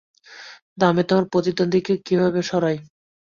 কিন্তু আমি আমার প্রতিদ্বন্দ্বীকে কীভাবে সরাই?